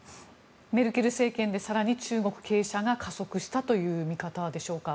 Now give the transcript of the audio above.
メルケル政権で更に中国傾斜が加速したという見方でしょうか。